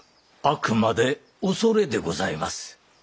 あくまで「おそれ」でございます。